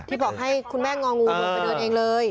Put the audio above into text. บอกให้คุณแม่งองูลงไปเดินเองเลย